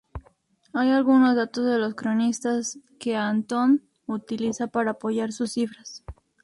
Hay algunos datos de los cronistas que Antón utiliza para apoyar sus cifras.